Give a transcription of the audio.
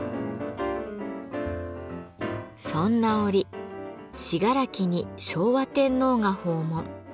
そんな折信楽に昭和天皇が訪問。